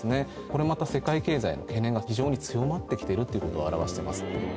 これまた世界経済の懸念が非常に強まって来てるっていうことを表しています。